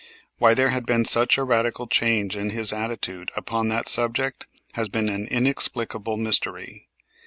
Why there had been such a radical change in his attitude upon that subject, has been an inexplicable mystery.